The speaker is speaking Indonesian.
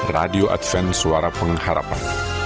radio adventsa suara pengharapan